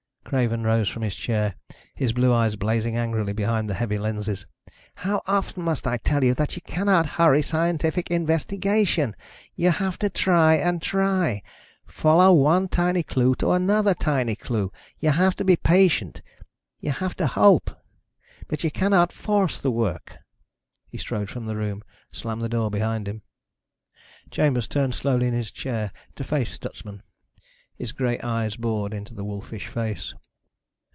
Craven rose from his chair, his blue eyes blazing angrily behind the heavy lenses. "How often must I tell you that you cannot hurry scientific investigation? You have to try and try ... follow one tiny clue to another tiny clue. You have to be patient. You have to hope. But you cannot force the work." He strode from the room, slammed the door behind him. Chambers turned slowly in his chair to face Stutsman. His gray eyes bored into the wolfish face.